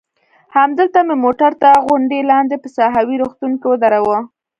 همدلته مې موټر تر غونډۍ لاندې په ساحوي روغتون کې ودراوه.